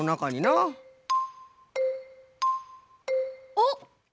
あっ！